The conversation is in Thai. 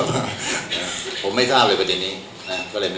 แต่ทำไมถูกเล็กโทรประมาณที่หนึ่งที่ตัวเองซื้อมาแล้วก็ถูกเนี่ยครับ